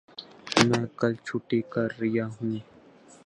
میں کل چھٹی کر ریا ہوں